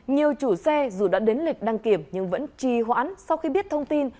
nhiều chủ xe dù đã đến lịch đăng kiểm nhưng vẫn trì hoãn sau khi biết thông tin